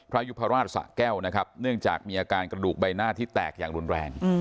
ยุพราชสะแก้วนะครับเนื่องจากมีอาการกระดูกใบหน้าที่แตกอย่างรุนแรง